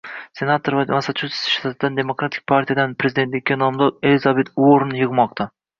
senator va Massachusets shtatidan Demokratik partiyadan prezidentlikka nomzod Elizabet Uorren yig'moqda